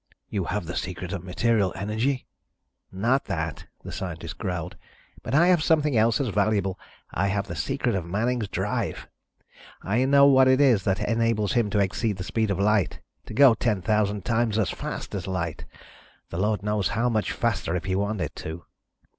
"You have the secret of material energy?" "Not that," the scientist growled, "but I have something else as valuable. I have the secret of Manning's drive: I know what it is that enables him to exceed the speed of light ... to go ten thousand times as fast as light ... the Lord knows how much faster if he wanted to."